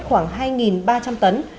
khoảng hai ba trăm linh tấn